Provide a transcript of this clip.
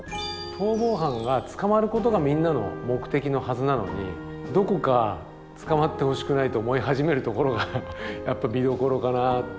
逃亡犯が捕まることがみんなの目的のはずなのにどこか捕まってほしくないと思い始めるところが見どころかな。